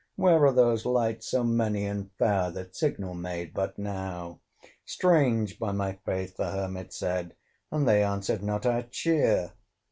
Where are those lights so many and fair, That signal made but now?" "Strange, by my faith!" the Hermit said "And they answered not our cheer!